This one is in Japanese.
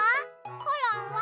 コロンは。